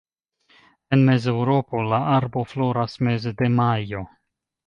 En Mezeŭropo la arbo floras meze de majo.